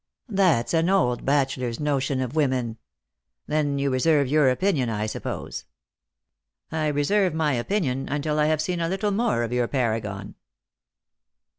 "That's an old bachelor's notion of women. Then you reserve your opinion, I suppose ?"" I reserve my opinion until I have seen a little more of you* paragon."